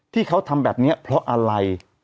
ที่เขาทำแบบนี้เพราะอะไร